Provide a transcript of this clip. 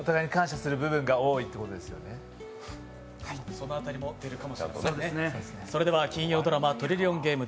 その辺りも出るかもしれません。